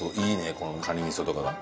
このカニ味噌とかが。